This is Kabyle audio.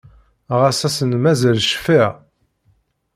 Ɣaf ass-n mazal cfiɣ.